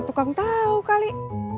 tukang tahu kali